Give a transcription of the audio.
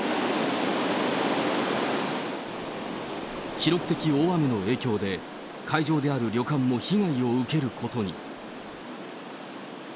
記録的大雨の影響で、会場である旅館も被害を受けることに。